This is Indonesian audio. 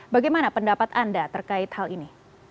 bagaimana pendapat anda terkait hal ini